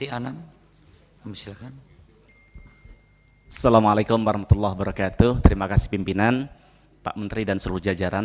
assalamualaikum warahmatullahi wabarakatuh terima kasih pimpinan pak menteri dan seluruh jajaran